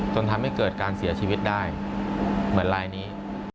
จนทำให้เกิดการเสียชีวิตได้เหมือนลายนี้